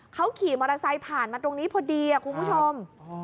เขาขี่มอเตอร์ไซค์ผ่านมาตรงนี้พอดีคุณผู้ชม